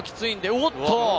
おっと！